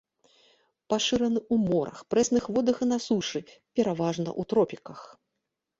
Пашыраны ў морах, прэсных водах і на сушы, пераважна ў тропіках.